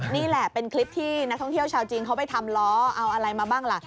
นี่แหละเป็นคลิปที่นักท่องเที่ยวชาวจีนเขาไปทำล้อเอาอะไรมาบ้างล่ะ